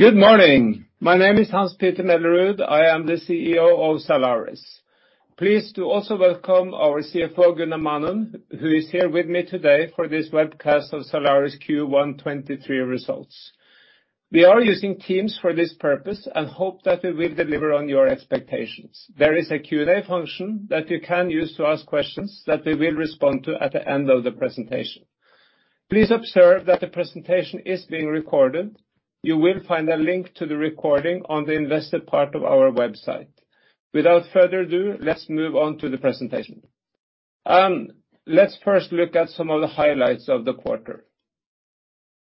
Good morning. My name is Hans-Petter Mellerud. I am the CEO of Zalaris. Pleased to also welcome our CFO, Gunnar Manum, who is here with me today for this webcast of Zalaris Q1 2023 results. We are using Teams for this purpose and hope that we will deliver on your expectations. There is a Q&A function that you can use to ask questions that we will respond to at the end of the presentation. Please observe that the presentation is being recorded. You will find a link to the recording on the investor part of our website. Without further ado, let's move on to the presentation. Let's first look at some of the highlights of the quarter.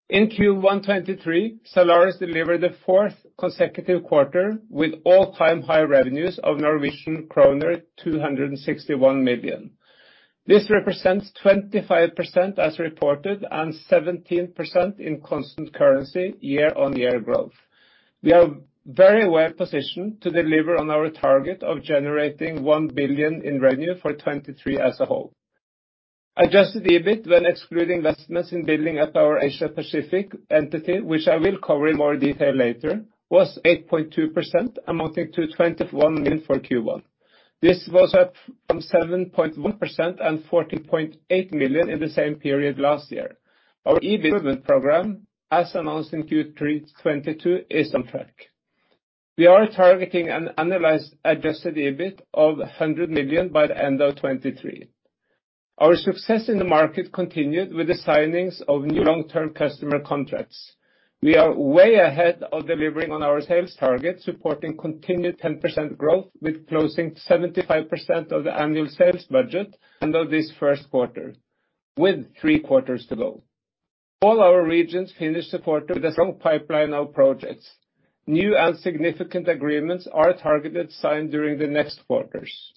In Q1 2023, Zalaris delivered the fourth consecutive quarter with all-time high revenues of Norwegian kroner 261 million. This represents 25% as reported and 17% in constant currency year-over-year growth. We are very well-positioned to deliver on our target of generating 1 billion in revenue for 2023 as a whole. Adjusted EBIT when excluding investments in building up our Asia-Pacific entity, which I will cover in more detail later, was 8.2%, amounting to 21 million for Q1. This was up from 7.1% and 14.8 million in the same period last year. Our EBIT program, as announced in Q3 2022, is on track. We are targeting an annualized adjusted EBIT of 100 million by the end of 2023. Our success in the market continued with the signings of new long-term customer contracts. We are way ahead of delivering on our sales targets, supporting continued 10% growth, with closing 75% of the annual sales budget end of this first quarter, with three quarters to go. All our regions finish the quarter with a strong pipeline of projects. New and significant agreements are targeted signed during the next quarters.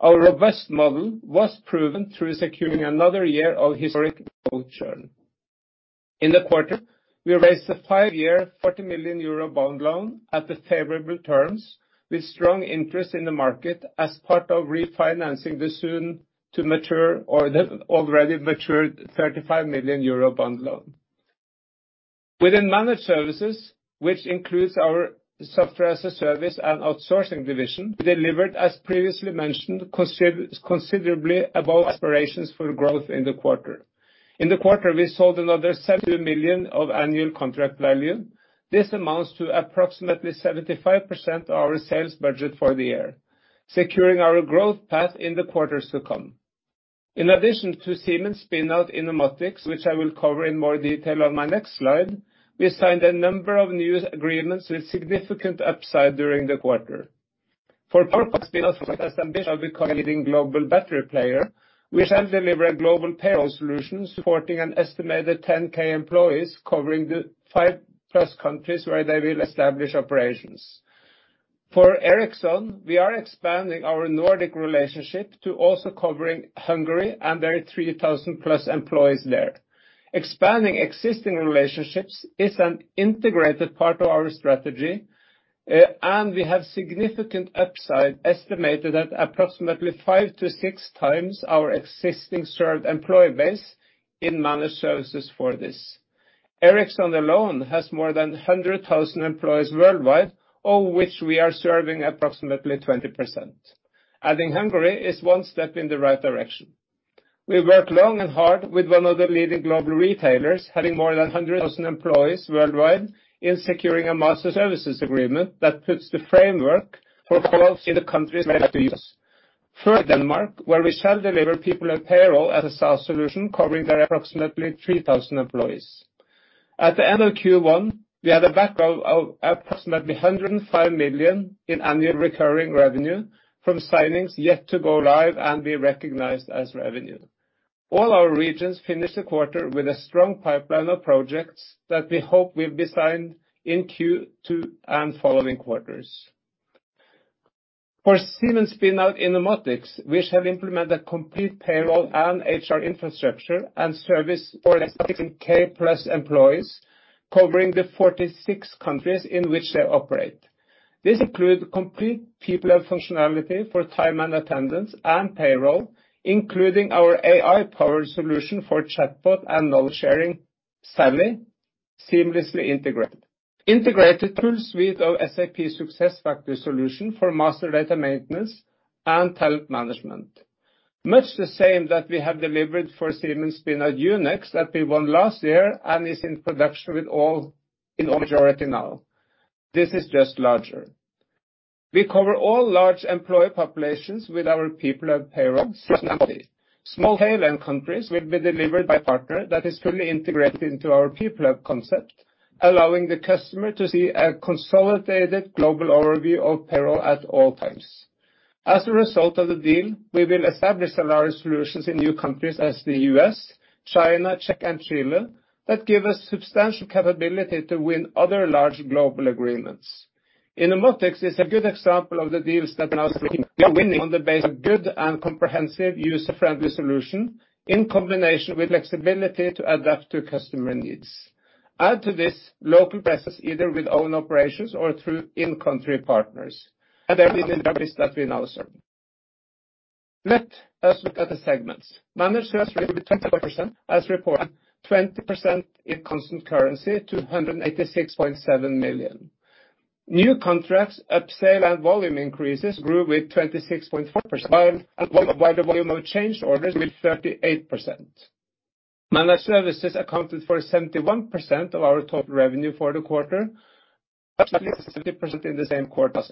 Our robust model was proven through securing another year of historic low churn. In the quarter, we raised a 5-year, 40 million euro bond loan at the favorable terms with strong interest in the market as part of refinancing the soon to mature or the already matured 35 million euro bond loan. Within managed services, which includes our software as a service and outsourcing division, delivered, as previously mentioned, considerably above aspirations for growth in the quarter. In the quarter, we sold another 70 million of annual contract value. This amounts to approximately 75% of our sales budget for the year, securing our growth path in the quarters to come. In addition to Siemens spin-out, Innomotics, which I will cover in more detail on my next slide, we signed a number of new agreements with significant upside during the quarter. For Powerpack spin-out, with the ambition of becoming a leading global battery player, we shall deliver a global payroll solution supporting an estimated 10K employees covering the 5+ countries where they will establish operations. For Ericsson, we are expanding our Nordic relationship to also covering Hungary and their 3,000+ employees there. Expanding existing relationships is an integrated part of our strategy, and we have significant upside, estimated at approximately 5 to 6x our existing served employee base in managed services for this. Ericsson alone has more than 100,000 employees worldwide, all which we are serving approximately 20%. Adding Hungary is one step in the right direction. We worked long and hard with one of the leading global retailers, having more than 100,000 employees worldwide, in securing a master services agreement that puts the framework for [call offs] in countries where that is. For Denmark, where we shall deliver people and payroll as a SaaS solution, covering their approximately 3,000 employees. At the end of Q1, we had a backlog of approximately 105 million in annual recurring revenue from signings yet to go live and be recognized as revenue. All our regions finish the quarter with a strong pipeline of projects that we hope will be signed in Q2 and following quarters. For Siemens spin-out Innomotics, we shall implement a complete payroll and HR infrastructure and service for 16 K-plus employees, covering the 46 countries in which they operate. This includes complete people and functionality for time and attendance and payroll, including our AI-powered solution for chatbot and knowledge sharing, Zally, seamlessly integrated. Integrated full suite of SAP SuccessFactors solution for master data maintenance and talent management. Much the same that we have delivered for Siemens spin-out, Yunex, that we won last year and is in production in all majority now. This is just larger. We cover all large employee populations with our people and payroll functionality. Small tail end countries will be delivered by partner that is fully integrated into our people concept, allowing the customer to see a consolidated global overview of payroll at all times. As a result of the deal, we will establish Zalaris solutions in new countries as the U.S., China, Czech, and Chile that give us substantial capability to win other large global agreements. Innomotics is a good example of the deals that we are now winning on the base of good and comprehensive user-friendly solution in combination with flexibility to adapt to customer needs. Add to this local presence, either with own operations or through in-country partners, and they will introduce that we now serve. Let us look at the segments. Managed services with 24% as reported. 20% in constant currency to 186.7 million. New contracts, up sale and volume increases grew with 26.4%, while the volume of change orders with 38%. Managed services accounted for 71% of our total revenue for the quarter, actually 70% in the same quarter.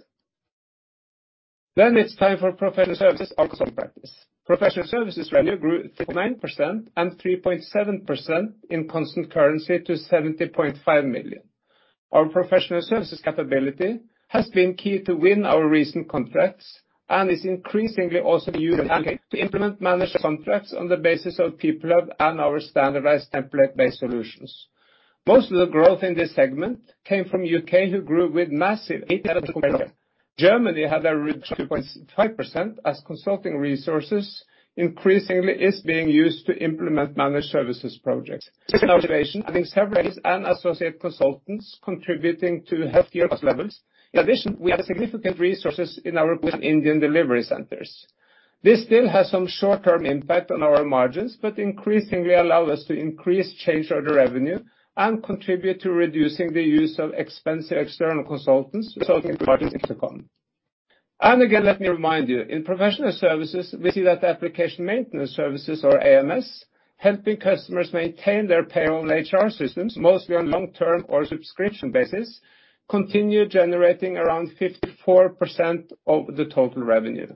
It's time for professional services practice. Professional services revenue grew 9% and 3.7% in constant currency to 75 million. Our professional services capability has been key to win our recent contracts and is increasingly also used to implement managed contracts on the basis of PeopleHub and our standardized template-based solutions. Most of the growth in this segment came from U.K., who grew with massive. Germany had a reduction 0.5% as consulting resources, increasingly is being used to implement managed services projects. Second observation, I think several and associate consultants contributing to healthier cost levels. In addition, we have significant resources in our Indian delivery centers. This still has some short-term impact on our margins, but increasingly allow us to increase change order revenue and contribute to reducing the use of expensive external consultants, resulting in part in EBIT. Again, let me remind you, in professional services, we see that application maintenance services or AMS, helping customers maintain their payroll and HR systems, mostly on long-term or subscription basis, continue generating around 54% of the total revenue.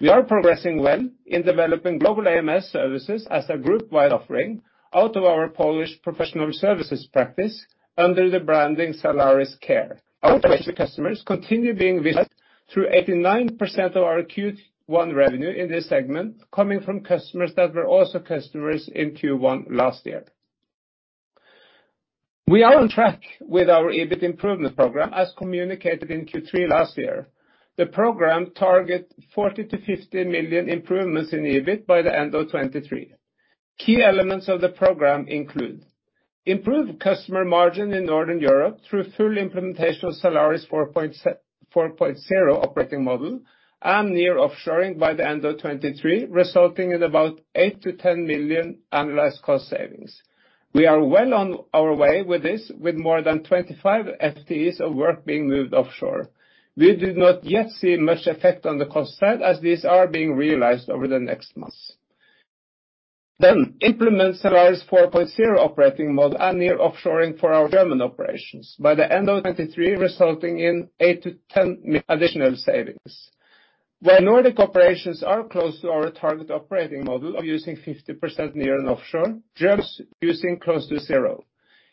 We are progressing well in developing global AMS services as a group-wide offering out of our Polish professional services practice under the branding Zalaris Care. Our customers continue being visited through 89% of our Q1 revenue in this segment, coming from customers that were also customers in Q1 last year. We are on track with our EBIT improvement program, as communicated in Q3 last year. The program target 40 million-50 million improvements in EBIT by the end of 2023. Key elements of the program include: improve customer margin in Northern Europe through full implementation of Zalaris 4.0 operating model and nearshoring by the end of 2023, resulting in about 8-10 million analyzed cost savings. We are well on our way with this with more than 25 FTEs of work being moved offshore. We do not yet see much effect on the cost side as these are being realized over the next months. Implement Zalaris 4.0 operating model and nearshoring for our German operations. By the end of 2023, resulting in 8-10 additional savings. The Nordic operations are close to our target operating model of using 50% near and offshore, Germans using close to 0.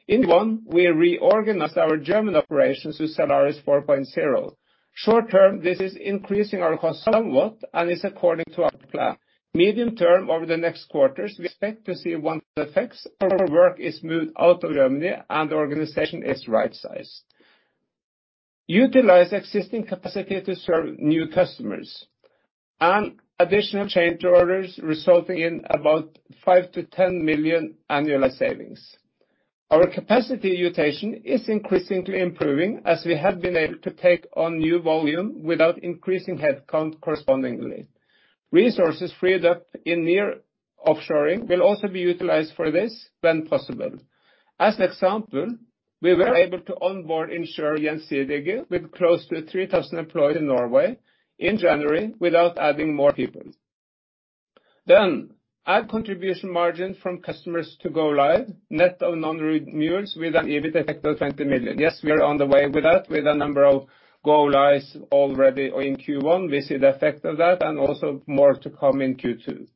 In Q1, we reorganized our German operations to Zalaris 4.0. Short-term, this is increasing our cost somewhat and is according to our plan. Medium-term, over the next quarters, we expect to see what effects our work is moved out of Germany and the organization is right-sized. Utilize existing capacity to serve new customers and additional change orders resulting in about 5 million-10 million annual savings. Our capacity utilization is increasingly improving as we have been able to take on new volume without increasing headcount correspondingly. Resources freed up in nearshoring will also be utilized for this when possible. As an example, we were able to onboard insurer with close to 3,000 employees in Norway in January without adding more people. Add contribution margin from customers to go live, net of non-renewals with an EBIT effect of 20 million. Yes, we are on the way with that. With a number of go lives already or in Q1, we see the effect of that and also more to come in Q2.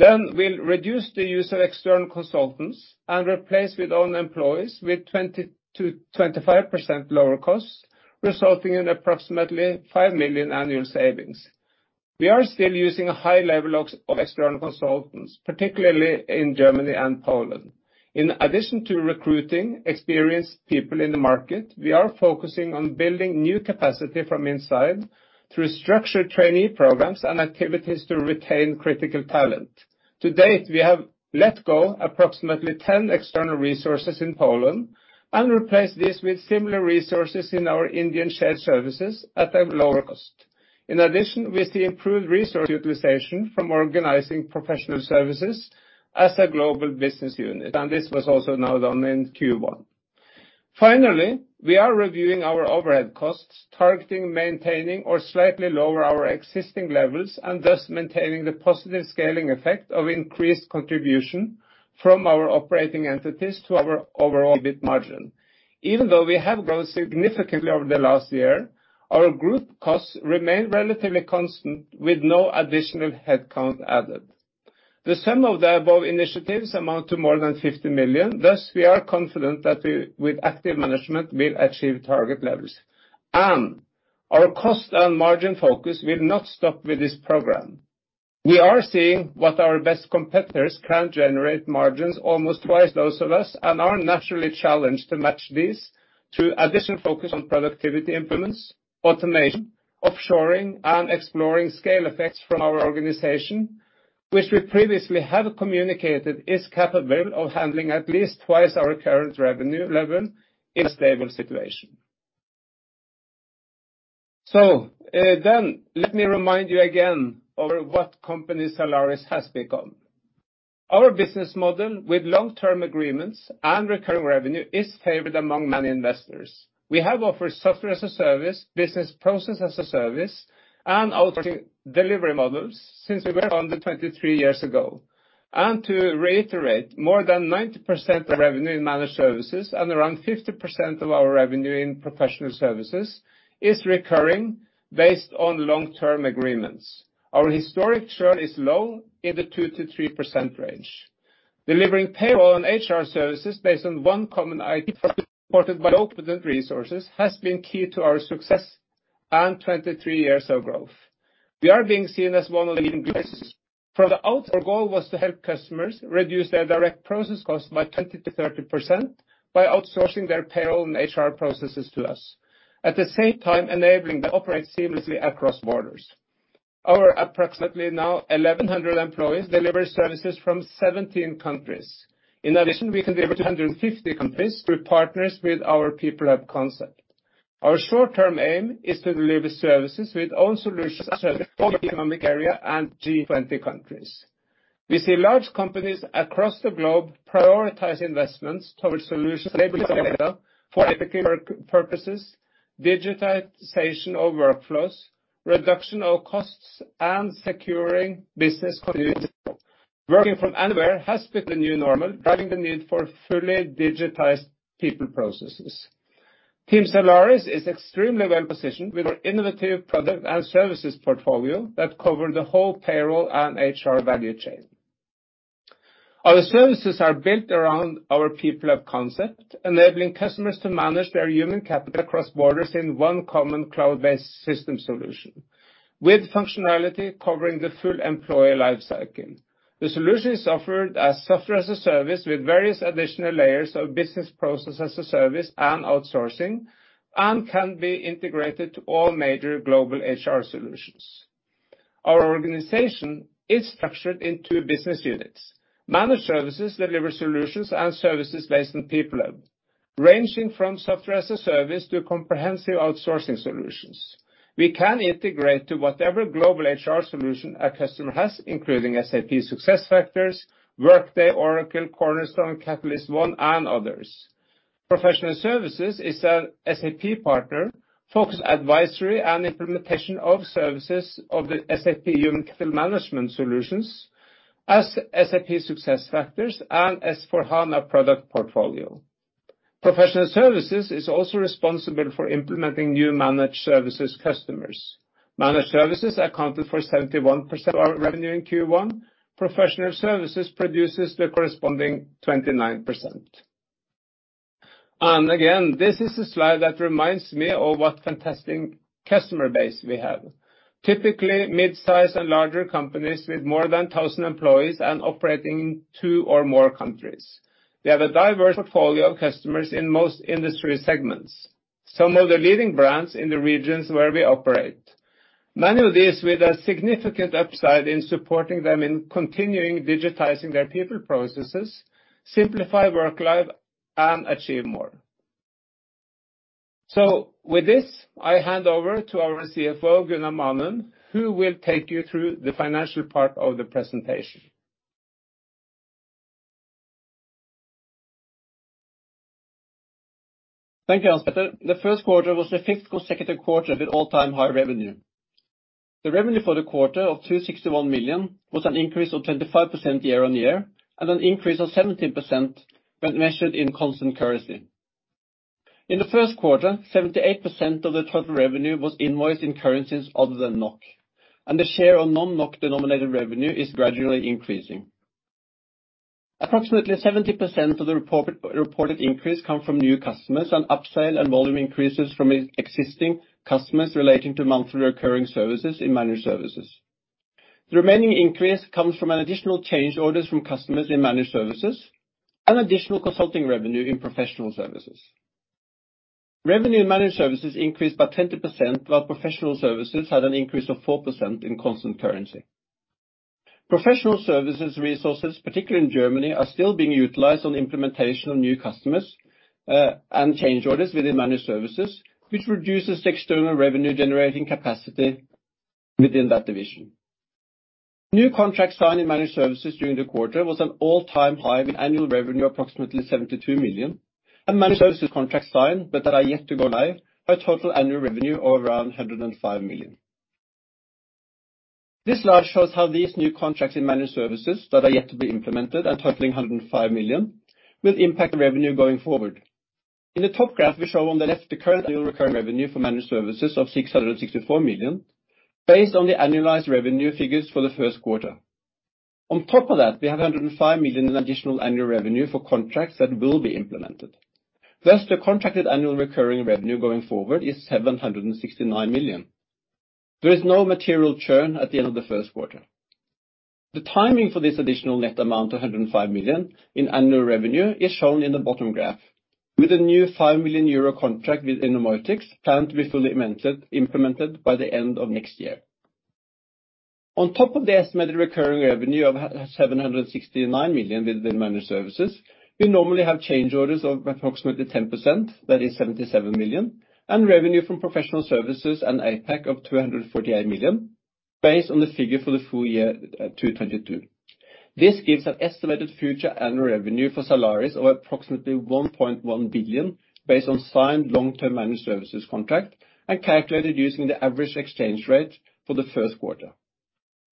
We'll reduce the use of external consultants and replace with own employees with 20%-25% lower costs, resulting in approximately 5 million annual savings. We are still using a high level of external consultants, particularly in Germany and Poland. In addition to recruiting experienced people in the market, we are focusing on building new capacity from inside through structured trainee programs and activities to retain critical talent. To date, we have let go approximately 10 external resources in Poland and replaced this with similar resources in our Indian shared services at a lower cost. In addition, with the improved resource utilization from organizing professional services as a global business unit. This was also now done in Q1. We are reviewing our overhead costs, targeting, maintaining or slightly lower our existing levels, and thus maintaining the positive scaling effect of increased contribution from our operating entities to our overall EBIT margin. Even though we have grown significantly over the last year, our group costs remain relatively constant with no additional headcount added. The sum of the above initiatives amount to more than 50 million. We are confident that we, with active management, will achieve target levels. Our cost and margin focus will not stop with this program. We are seeing what our best competitors can generate margins almost twice those of us and are naturally challenged to match these through additional focus on productivity improvements, automation, offshoring, and exploring scale effects from our organization, which we previously have communicated is capable of handling at least twice our current revenue level in a stable situation. Let me remind you again of what company Zalaris has become. Our business model with long-term agreements and recurring revenue is favored among many investors. We have offered software as a service, business process as a service, and outsourcing delivery models since we were founded 23 years ago. To reiterate, more than 90% of revenue in managed services and around 50% of our revenue in professional services is recurring based on long-term agreements. Our historic churn is low, in the 2%-3% range. Delivering payroll and HR services based on one common IP supported by resources has been key to our success and 23 years of growth. We are being seen as one of the leaders. From the outset, our goal was to help customers reduce their direct process cost by 20%-30% by outsourcing their payroll and HR processes to us. At the same time, enabling them to operate seamlessly across borders. Our approximately now 1,100 employees deliver services from 17 countries. In addition, we can deliver 250 companies through partners with our PeopleHub concept. Our short-term aim is to deliver services with own solutions in the economic area and G20 countries. We see large companies across the globe prioritize investments towards solutions for ethical purposes, digitization of workflows, reduction of costs, and securing business continuity. Working from anywhere has been the new normal, driving the need for fully digitized people processes. Team Zalaris is extremely well-positioned with our innovative product and services portfolio that cover the whole payroll and HR value chain. Our services are built around our PeopleHub concept, enabling customers to manage their human capital across borders in one common cloud-based system solution with functionality covering the full employee life cycle. The solution is offered as software as a service with various additional layers of business process as a service and outsourcing, and can be integrated to all major Global HR solutions. Our organization is structured in two business units. Managed services deliver solutions and services based on PeopleHub, ranging from software as a service to comprehensive outsourcing solutions. We can integrate to whatever global HR solution a customer has, including SAP SuccessFactors, Workday, Oracle, Cornerstone, CatalystOne, and others. Professional Services is an SAP partner focused advisory and implementation of services of the SAP human capital management solutions as SAP SuccessFactors and S/4HANA product portfolio. Professional Services is also responsible for implementing new managed services customers. Managed services accounted for 71% of our revenue in Q1. Professional services produces the corresponding 29%. Again, this is a slide that reminds me of what fantastic customer base we have. Typically, midsize and larger companies with more than 1,000 employees and operating in 2 or more countries. We have a diverse portfolio of customers in most industry segments, some of the leading brands in the regions where we operate. Many of these with a significant upside in supporting them in continuing digitizing their people processes, simplify work life, and achieve more. With this, I hand over to our CFO, Gunnar Manum, who will take you through the financial part of the presentation. Thank you, Astri. The first quarter was the fifth consecutive quarter with all-time high revenue. The revenue for the quarter of 261 million was an increase of 25% year-on-year and an increase of 17% when measured in constant currency. In the first quarter, 78% of the total revenue was invoiced in currencies other than NOK, and the share of non-NOK denominated revenue is gradually increasing. Approximately 70% of the reported increase come from new customers and upsale and volume increases from existing customers relating to monthly recurring services in Managed Services. The remaining increase comes from an additional change orders from customers in Managed Services and additional consulting revenue in Professional Services. Revenue in Managed Services increased by 20%, while Professional Services had an increase of 4% in constant currency. Professional Services resources, particularly in Germany, are still being utilized on the implementation of new customers and change orders within Managed Services, which reduces the external revenue generating capacity within that division. New contracts signed in Managed Services during the quarter was an all-time high with annual revenue approximately 72 million, and Managed Services contracts signed, but that are yet to go live, have total annual revenue of around 105 million. This slide shows how these new contracts in Managed Services that are yet to be implemented and totaling 105 million will impact the revenue going forward. In the top graph, we show on the left the current annual recurring revenue for Managed Services of 664 million based on the annualized revenue figures for the first quarter. On top of that, we have 105 million in additional annual revenue for contracts that will be implemented. The contracted annual recurring revenue going forward is 769 million. There is no material churn at the end of the first quarter. The timing for this additional net amount of 105 million in annual revenue is shown in the bottom graph, with a new 5 million euro contract with Innomotics planned to be fully implemented by the end of next year. On top of the estimated recurring revenue of 769 million with the managed services, we normally have change orders of approximately 10%, that is 77 million, and revenue from professional services and APAC of 248 million, based on the figure for the full year 2022. This gives an estimated future annual revenue for Zalaris of approximately 1.1 billion based on signed long-term managed services contract and calculated using the average exchange rate for the first quarter.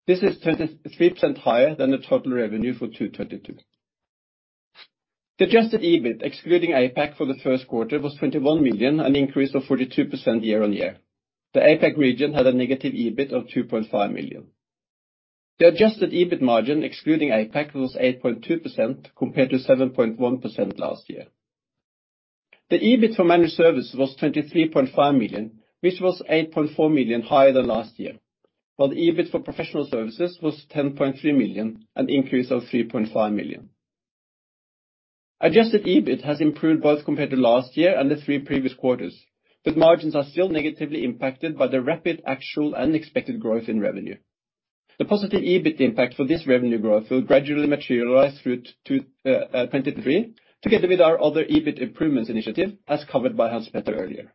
This is 33% higher than the total revenue for 2022. The adjusted EBIT, excluding APAC for the first quarter, was 21 million, an increase of 42% year-on-year. The APAC region had a negative EBIT of 2.5 million. The adjusted EBIT margin, excluding APAC, was 8.2% compared to 7.1% last year. The EBIT for managed service was 23.5 million, which was 8.4 million higher than last year. While the EBIT for professional services was 10.3 million, an increase of 3.5 million. Adjusted EBIT has improved both compared to last year and the three previous quarters, but margins are still negatively impacted by the rapid actual and expected growth in revenue. The positive EBIT impact for this revenue growth will gradually materialize through 2023, together with our other EBIT improvements initiative, as covered by Hans Petter earlier.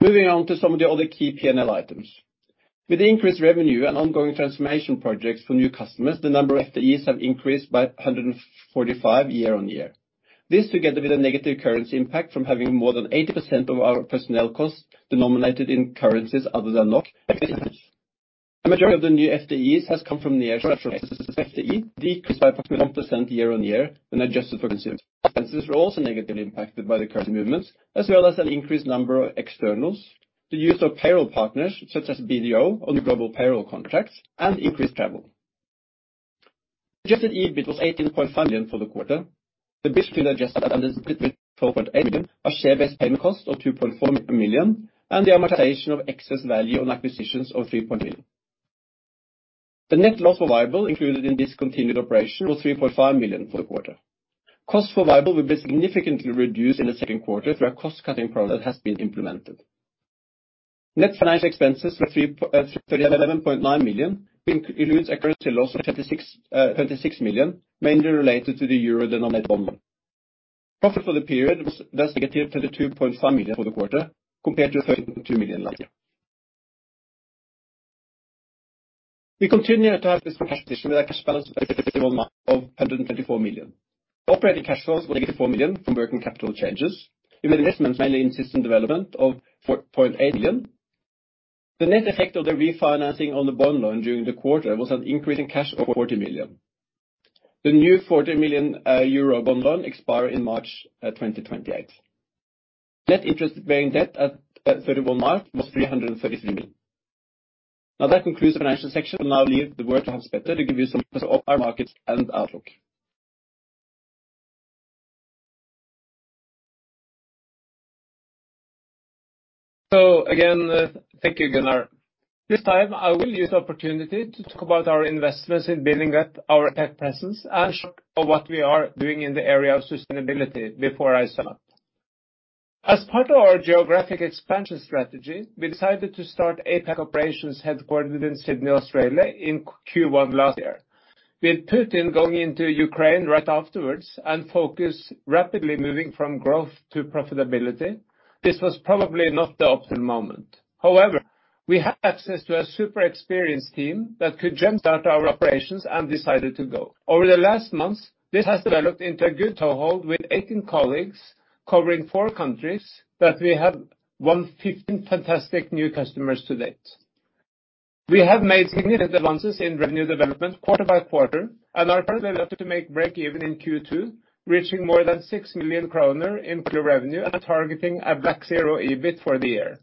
Moving on to some of the other key P&L items. With increased revenue and ongoing transformation projects for new customers, the number of FTEs have increased by 145 year-on-year. This, together with a negative currency impact from having more than 80% of our personnel costs denominated in currencies other than NOK. A majority of the new FTEs has come from near decreased by 4.5% year-on-year when adjusted for consumer. Expenses were also negatively impacted by the currency movements, as well as an increased number of externals, the use of payroll partners such as BDO on global payroll contracts, and increased travel. Adjusted EBIT was 18.5 million for the quarter. The 12.8 million are share-based payment cost of 2.4 million, and the amortization of excess value on acquisitions of 3.0 million. The net loss for vyble included in discontinued operation was 3.5 million for the quarter. Cost for vyble will be significantly reduced in the second quarter through a cost-cutting program that has been implemented. Net finance expenses were 37.9 million, includes a currency loss of 26 million, mainly related to the euro-denominated bond. Profit for the period was less negative 32.5 million for the quarter, compared to 42 million last year. We continue to have this cash balance of 124 million. Operating cash flows were -4 million from working capital changes. Investment mainly in system development of 4.8 million. The net effect of the refinancing on the bond loan during the quarter was an increase in cash of 40 million. The new 40 million euro bond loan expire in March 2028. Net interest-bearing debt at 31 March was 333 million. That concludes the financial section. I'll now leave the word to Hans Petter to give you some of our markets and outlook. Again, thank you, Gunnar. This time, I will use the opportunity to talk about our investments in building up our tech presence and show what we are doing in the area of sustainability before I sum up. As part of our geographic expansion strategy, we decided to start APAC operations headquartered in Sydney, Australia in Q1 last year. With Putin going into Ukraine right afterwards and focus rapidly moving from growth to profitability, this was probably not the optimal moment. However, we have access to a super experienced team that could jumpstart our operations and decided to go. Over the last months, this has developed into a good toehold with 18 colleagues covering four countries that we have won 15 fantastic new customers to date. We have made significant advances in revenue development quarter by quarter and are currently left to make break-even in Q2, reaching more than 6 million kroner in clear revenue and are targeting a black zero EBIT for the year.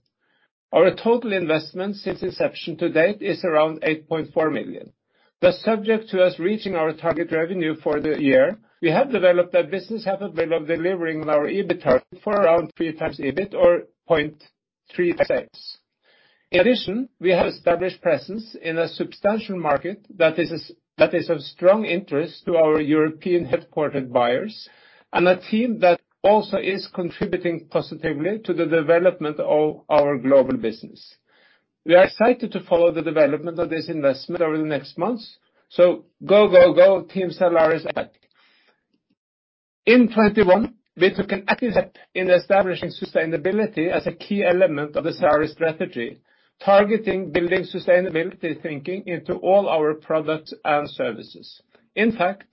Our total investment since inception to date is around 8.4 million. The subject to us reaching our target revenue for the year, we have developed a business habit of delivering on our EBIT target for around 3x EBIT or 0.3x. We have established presence in a substantial market that is of strong interest to our European-headquartered buyers and a team that also is contributing positively to the development of our global business. We are excited to follow the development of this investment over the next months. Go, go, Team Zalaris APAC. In 2021, we took an active step in establishing sustainability as a key element of the Zalaris strategy, targeting building sustainability thinking into all our products and services. In fact,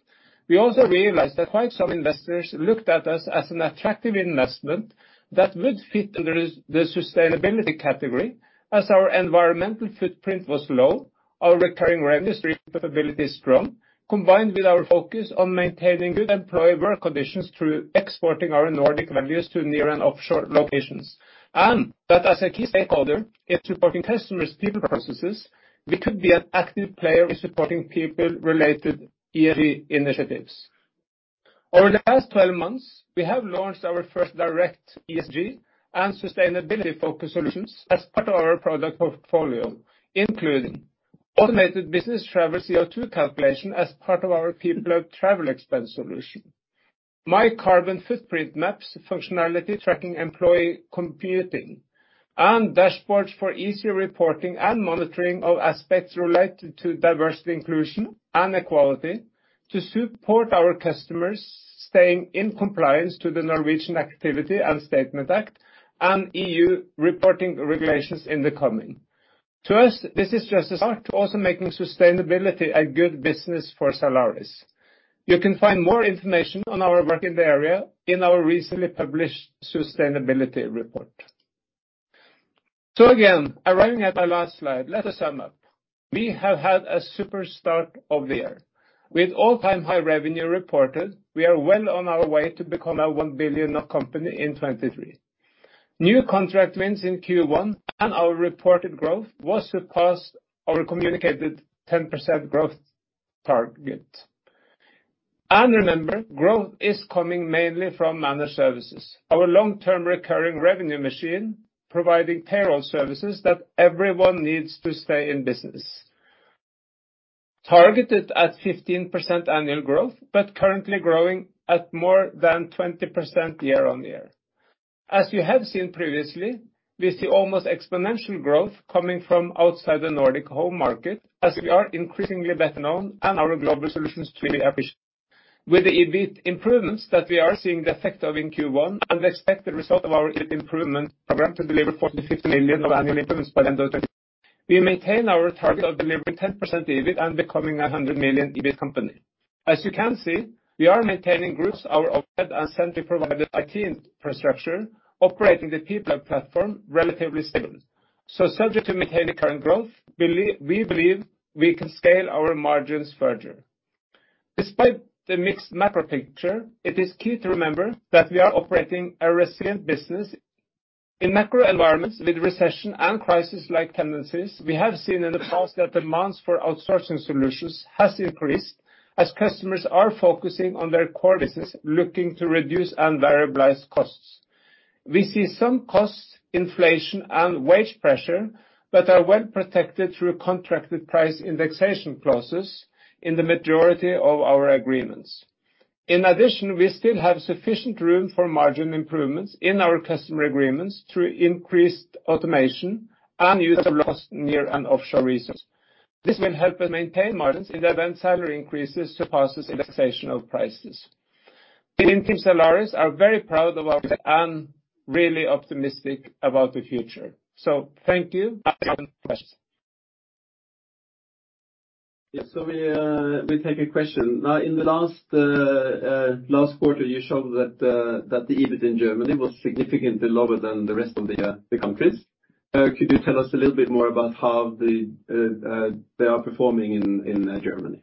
we also realized that quite some investors looked at us as an attractive investment that would fit under the sustainability category as our environmental footprint was low, our recurring revenue stream profitability is strong, combined with our focus on maintaining good employee work conditions through exporting our Nordic values to near and offshore locations. That as a key stakeholder in supporting customers' people processes, we could be an active player in supporting people-related ESG initiatives. Over the past 12 months, we have launched our first direct ESG and sustainability focus solutions as part of our product portfolio, including automated business travel CO2 calculation as part of our People Flow travel expense solution. My Carbon Footprint maps functionality tracking employee computing, and dashboards for easy reporting and monitoring of aspects related to diversity inclusion and equality to support our customers staying in compliance to the Norwegian Activity and Statement Act and EU reporting regulations in the coming. To us, this is just a start, also making sustainability a good business for Zalaris. You can find more information on our work in the area in our recently published sustainability report. Again, arriving at our last slide, let us sum up. We have had a super start of the year. With all-time high revenue reported, we are well on our way to become a 1 billion company in 2023. New contract wins in Q1 and our reported growth was to pass our communicated 10% growth target. Remember, growth is coming mainly from managed services, our long-term recurring revenue machine, providing payroll services that everyone needs to stay in business. Targeted at 15% annual growth, but currently growing at more than 20% year-on-year. As you have seen previously, we see almost exponential growth coming from outside the Nordic home market as we are increasingly better known and our global solutions truly appreciate. With the EBIT improvements that we are seeing the effect of in Q1 and expect the result of our improvement program to deliver 40 million-50 million of annual improvements by the end of 2023. We maintain our target of delivering 10% EBIT and becoming a 100 million EBIT company. As you can see, we are maintaining groups our overhead and centrally provided IT infrastructure, operating the PeopleHub platform relatively stable. Subject to maintain the current growth, we believe we can scale our margins further. Despite the mixed macro picture, it is key to remember that we are operating a resilient business. In macro environments with recession and crisis-like tendencies, we have seen in the past that demands for outsourcing solutions has increased as customers are focusing on their core business, looking to reduce and variabilize costs. We see some costs, inflation and wage pressure that are well protected through contracted price indexation clauses in the majority of our agreements. In addition, we still have sufficient room for margin improvements in our customer agreements through increased automation and use of lost near and offshore resource. This will help us maintain margins in the event salary increases surpasses indexation of prices. The team Zalaris are very proud of our and really optimistic about the future. Thank you. Questions. Yes. We take a question. Now, in the last quarter, you showed that the EBIT in Germany was significantly lower than the rest of the countries. Could you tell us a little bit more about how they are performing in Germany?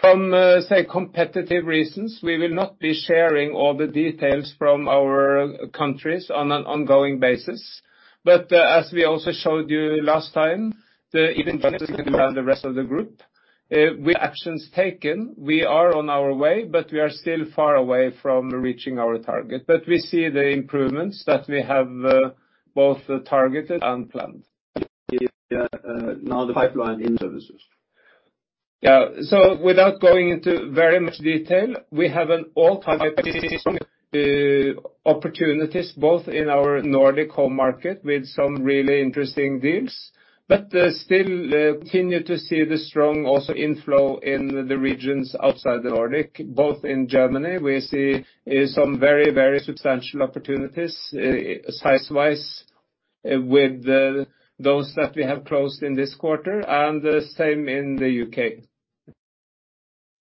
From, say, competitive reasons, we will not be sharing all the details from our countries on an ongoing basis. As we also showed you last time, the EBIT by the rest of the group, with actions taken, we are on our way, but we are still far away from reaching our target. We see the improvements that we have both targeted and planned. Yeah, now the pipeline in services. Without going into very much detail, we have an all-time opportunities both in our Nordic home market with some really interesting deals, but still continue to see the strong also inflow in the regions outside the Nordic, both in Germany, we see some very substantial opportunities size-wise with those that we have closed in this quarter and the same in the U.K.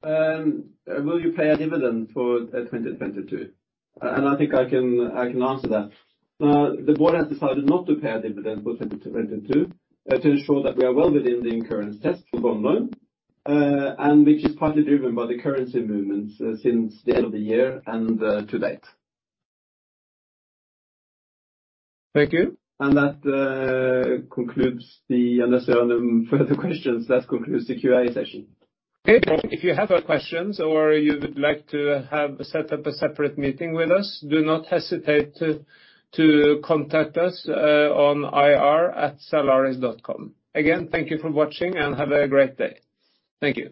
Will you pay a dividend for 2022? I think I can answer that. The board has decided not to pay a dividend for 2022 to ensure that we are well within the incurrence test for bond loan, which is partly driven by the currency movements since the end of the year and to date. Thank you. That, unless there are no further questions, that concludes the QA session. Okay. If you have a questions or you would like to have set up a separate meeting with us, do not hesitate to contact us on ir@zalaris.com. Thank you for watching and have a great day. Thank you.